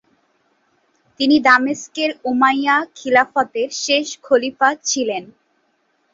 তিনি দামেস্কের উমাইয়া খিলাফতের শেষ খলিফা ছিলেন।